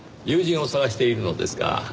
友人を探しているのですが。